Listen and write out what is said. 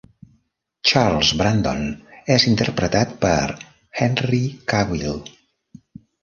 Charles Brandon és interpretat per Henry Cavill.